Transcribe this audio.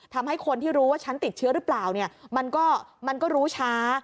ทำให้คนที่รู้ว่าฉันติดเชื้อหรือเปล่าเนี่ยมันก็รู้ช้า